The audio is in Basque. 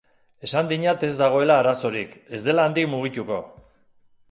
Esan dinat ez dagoela arazorik, ez dela handik mugituko.